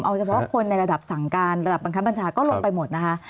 เอาเฉพาะคนในระดับสั่งการระดับบังคับบัญชาก็ลงไปหมดนะคะ